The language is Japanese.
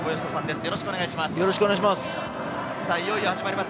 よろしくお願いします。